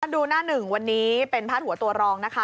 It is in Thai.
ดูหน้า๑วันนี้เป็นภาษาหัวตัวรองนะคะ